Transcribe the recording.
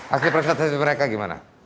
akhir persatuan dari mereka gimana